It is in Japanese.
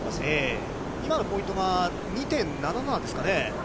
今のポイントが２．７７ですかね。